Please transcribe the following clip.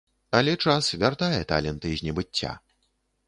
Але час вяртае таленты з небыцця.